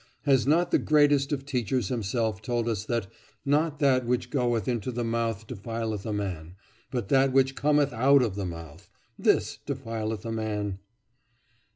Has not the greatest of teachers himself told us that "Not that which goeth into the mouth defileth a man; but that which cometh out of the mouth, this defileth a man"?